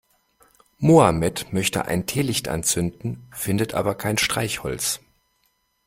Mohammed möchte ein Teelicht anzünden, findet aber kein Streichholz.